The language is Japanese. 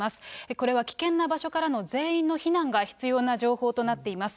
これは危険な場所からの全員の避難が必要な情報となっています。